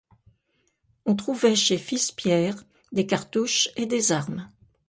On trouvait chez Filspierre des cartouches et des armes.